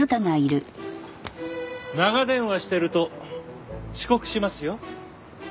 長電話してると遅刻しますよ。